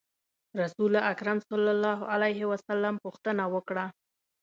رسول اکرم صلی الله علیه وسلم پوښتنه وکړه.